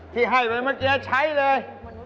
พี่ให้เลยมาเจ๊ใช้เลย